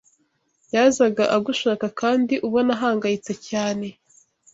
yazaga agushaka kandi ubona ahangayitse cyane.